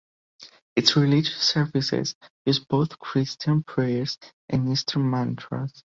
Its religious services use both Christian prayers and Eastern mantras.